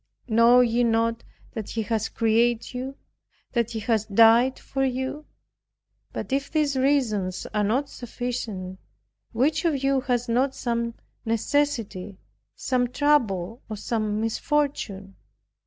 Know ye not that He has created you, that He has died for you? But if these reasons are not sufficient, which of you has not some necessity, some trouble, or some misfortune?